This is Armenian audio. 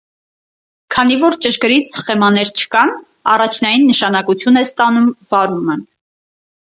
Քանի որ ճշգրիտ սխեմաներ չկան, առաջնային նշանակություն է ստանում վարումը։